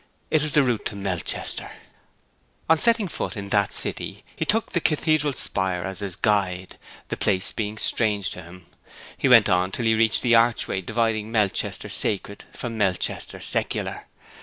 It was the route to Melchester. On setting foot in that city he took the cathedral spire as his guide, the place being strange to him; and went on till he reached the archway dividing Melchester sacred from Melchester secular.